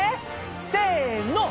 せの！